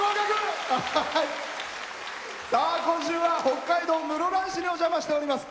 今週は北海道室蘭市にお邪魔しております。